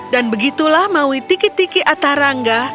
dan begitulah maui dikit dikit atarangga